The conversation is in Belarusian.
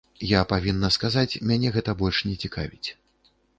Я павінна сказаць, мяне гэта больш не цікавіць.